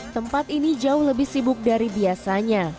tempat ini jauh lebih sibuk dari biasanya